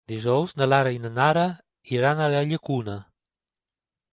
Dijous na Lara i na Nara iran a la Llacuna.